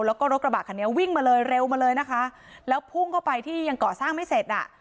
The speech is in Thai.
แล้วก็รถกระบะคันนี้วิ่งมาเลยเร็วมาเลยนะคะแล้วพุ่งเข้าไปที่ยังก่อสร้างไม่เสร็จอ่ะ